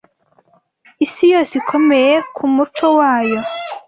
isi yose ikomeye ku muco wayo